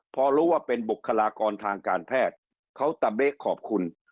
พอรู้ว่าเป็นบุคลากรทางการแพทย์เขาตะเบ๊กขอบคุณ